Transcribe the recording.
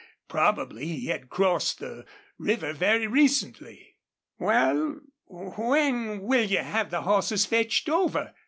Probably he had crossed the river very recently. "Wal, when will you have the hosses fetched over?"